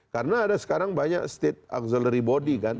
karena ada sekarang banyak state auxiliary body kan